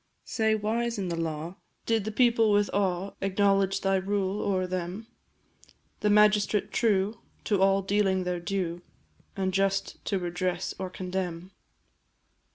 Say, wise in the law, did the people with awe Acknowledge thy rule o'er them A magistrate true, to all dealing their due, And just to redress or condemn?